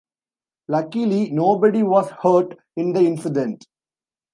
Luckily nobody was hurt in the incident.